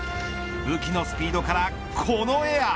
武器のスピードからこのエアー。